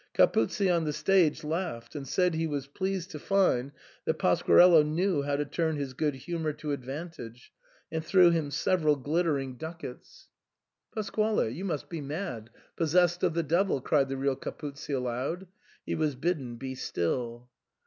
Ca puzzi on the stage laughed, and ^aid he was pleased to find that Pasquarello knew how to turn his good humour to advantage, and threw him several glittering ducats. SIGNOR FORMICA. 147 " Pasquale, you must be mad, possessed of the devil," cried the real Capuzzi aloud. He was bidden be still.